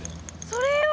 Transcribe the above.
それよ！